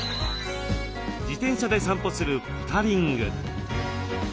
自転車で散歩するポタリング。